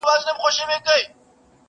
د بېګانه وو مزدوران دي په پیسو راغلي!.